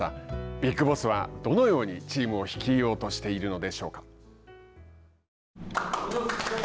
ビッグボスはどのようにチームを率いようとしているのでしょうか。